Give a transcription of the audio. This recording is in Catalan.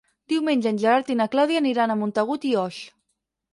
Diumenge en Gerard i na Clàudia aniran a Montagut i Oix.